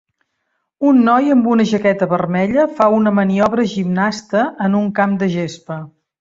Un noi amb una jaqueta vermella fa una maniobra gimnasta en un camp de gespa.